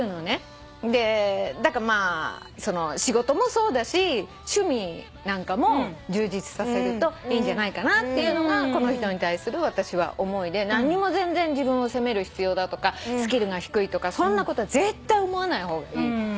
でまあ仕事もそうだし趣味なんかも充実させるといいんじゃないかなっていうのがこの人に対する私は思いで何にも全然自分を責める必要だとかスキルが低いとかそんなこと絶対思わない方がいい。